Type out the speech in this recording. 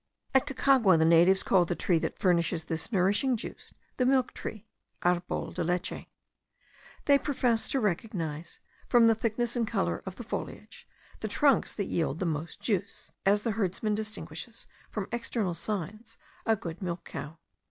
At Caucagua, the natives call the tree that furnishes this nourishing juice, the milk tree (arbol del leche). They profess to recognize, from the thickness and colour of the foliage, the trunks that yield the most juice; as the herdsman distinguishes, from external signs, a good milch cow.